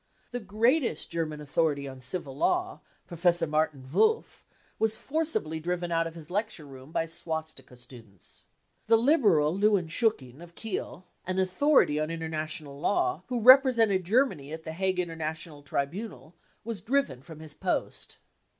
The greatest German authority on civil law, Professor Martin Wolff, was forcibly driven out of his lecture room bf swastika students. The liberal Lewm Schiicking, of Kiel, an authority on inter nahonaMaw, who represented Germany at the Hague International Tribunal, was driven from his post.